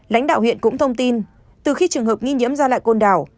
lãnh đạo huyện cũng thông tin từ khi trường hợp nghi nhiễm ra lại côn đảo